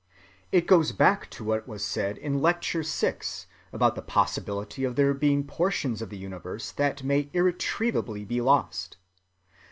It goes back to what was said on pages 131‐133, about the possibility of there being portions of the universe that may irretrievably be lost.